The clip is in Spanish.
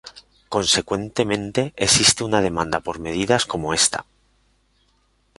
Consecuentemente existe una demanda por medidas como esta.